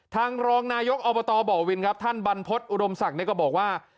รองนายกอบตบ่อวินครับท่านบรรพฤษอุดมศักดิ์ก็บอกว่า